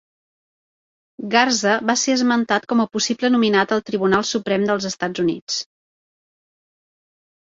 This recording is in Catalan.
Garza va ser esmentat com a possible nominat al Tribunal Suprem del Estats Units.